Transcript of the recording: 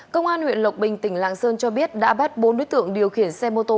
công an huyện lộc bình tỉnh lạng sơn cho biết đã bắt bốn đối tượng điều khiển xe mô tô